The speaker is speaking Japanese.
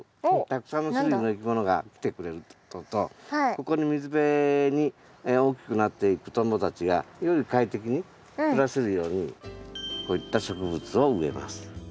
たくさんの種類のいきものが来てくれるってこととここに水辺に大きくなっていくトンボたちがより快適に暮らせるようにこういった植物を植えます。